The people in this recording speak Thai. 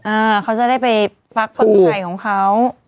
อ่าเขาจะได้ไปพักผ่อนไข่ของเขา